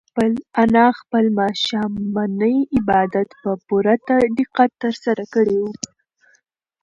انا خپل ماښامنی عبادت په پوره دقت ترسره کړی و.